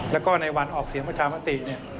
แล้วก็ในวันออกเสียงประชามาติ